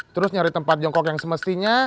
terus nyari tempat jongkok yang semestinya